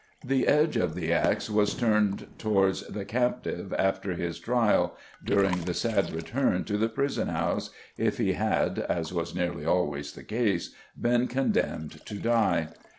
The edge of the axe was turned towards the captive after his trial, during the sad return to the prison house, if he had as was nearly always the case been condemned to die.